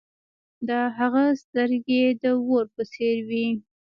د هغه سترګې د اور په څیر وې.